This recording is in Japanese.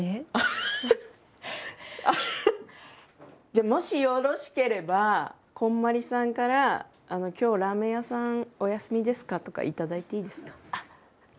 じゃあもしよろしければこんまりさんから「今日ラーメン屋さんお休みですか？」とか頂いていいですか？